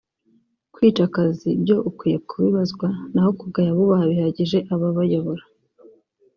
Kwica akazi byo ukwiye kubibazwa naho kugaya abubaha bihagije ababayobora